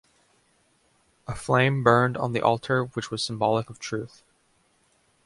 A flame burned on the altar which was symbolic of truth.